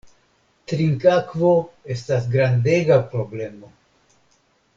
Trinkakvo estas grandega problemo.